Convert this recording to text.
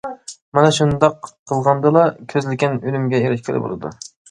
مانا شۇنداق قىلغاندىلا، كۆزلىگەن ئۈنۈمگە ئېرىشكىلى بولىدۇ.